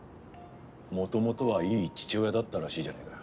元々はいい父親だったらしいじゃねえか。